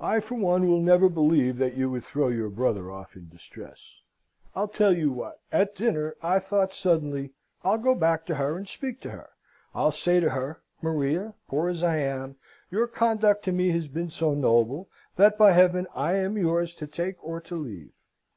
I for one will never believe that you would throw your brother off in distress. I'll tell you what. At dinner, I thought suddenly, I'll go back to her and speak to her. I'll say to her, 'Maria, poor as I am, your conduct to me has been so noble, that, by heaven! I am yours to take or to leave.